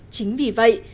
chính vì vậy